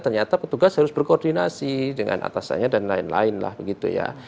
ternyata petugas harus berkoordinasi dengan atasannya dan lain lain lah begitu ya